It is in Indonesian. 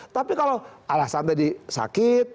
tapi kalau alasan tadi sakit